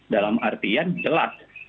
dalam artian jelas